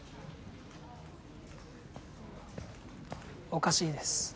おかしいです。